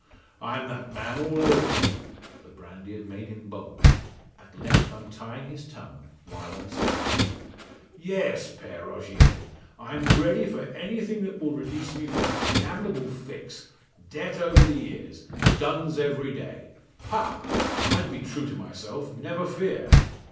"I'm that man all over." The brandy has made him bold, at length untying his tongue, while unsteadying it. "Yes, Pere Rogier; I'm ready for anything that will release me from this damnable fix debt over the ears duns every day. Ha! I'd be true to myself, never fear!"